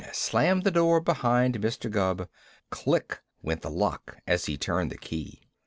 _ slammed the door behind Mr. Gubb. Click! went the lock as he turned the key.